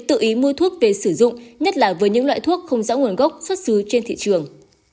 tự ý mua thuốc về sử dụng nhất là với những loại thuốc không rõ nguồn gốc xuất xứ trên thị trường